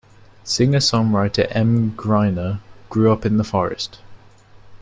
Singer-songwriter Emm Gryner grew up in Forest.